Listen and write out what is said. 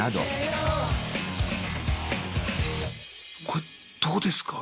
これどうですか？